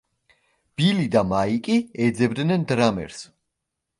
ბილი და მაიკი ეძებდნენ დრამერს.